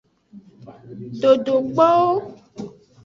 Dodokpowo.